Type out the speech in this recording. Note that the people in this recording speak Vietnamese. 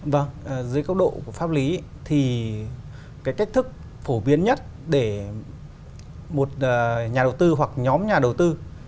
vâng dưới cấp độ pháp lý thì cái cách thức phổ biến nhất để một nhà đầu tư hoặc nhóm nhà đầu tư